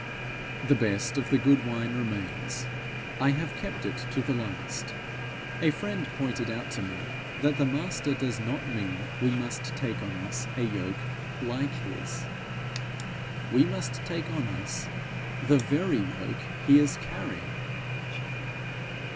The best of the good wine remains; I have kept it to the last. A friend pointed out to me that the Master does not mean we must take on us a yoke like his; we must take on us the very yoke he is carrying.